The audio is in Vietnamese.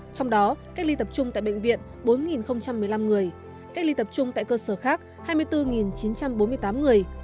trong đó cách ly tập trung tại bệnh viện bốn một mươi năm người cách ly tập trung tại cơ sở khác hai mươi bốn chín trăm bốn mươi tám người